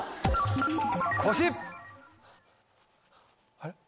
あれ？